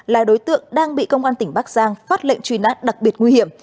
là đối tượng đang bị công an tỉnh bắc giang phát lệnh truy nã đặc biệt nguy hiểm